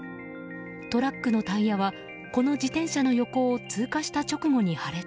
トラックのタイヤはこの自転車の横を通過した直後に破裂。